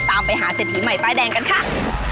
ตามไปหาเศรษฐีใหม่ป้ายแดงกันค่ะ